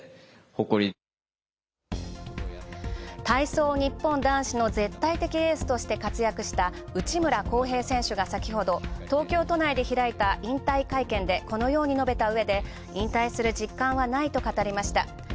体操ニッポン男子の絶対的エースとして活躍した内村航平選手が先ほど、東京都内で開いた引退会見でこのように述べたうえで、引退する実感はないと語りました。